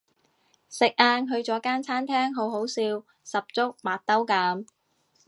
食晏去咗間餐廳好好笑十足麥兜噉